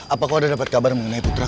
apa kau ada dapat kabar mengenai putraku